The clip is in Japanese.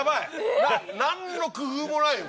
何の工夫もないよ